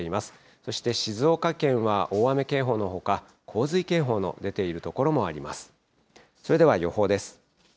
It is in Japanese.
そして静岡県は大雨警報のほか、洪水警報の出ている所もあります。